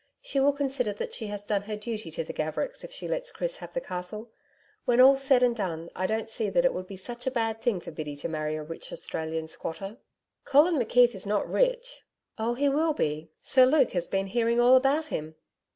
She will consider that she has done her duty to the Gavericks if she lets Chris have the Castle. When all's said and done, I don't see that it would be such a bad thing for Biddy to marry a rich Australian squatter.' 'Colin McKeith is not rich.' 'Oh, he will be. Sir Luke has been hearing all about him.'